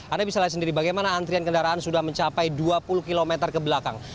anda bisa lihat sendiri bagaimana antrian kendaraan sudah mencapai dua puluh km ke belakang